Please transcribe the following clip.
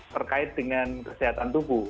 terkait dengan kesehatan tubuh